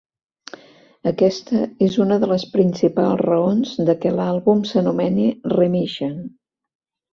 Aquesta és una de les principals raons de que l'àlbum s'anomeni Remission.